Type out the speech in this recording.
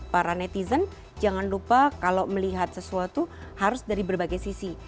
jadi para netizen jangan lupa kalau melihat sesuatu harus dari berbagai sisi